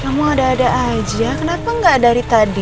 kamu ada ada aja kenapa nggak dari tadi